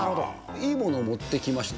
いいものを持ってきました。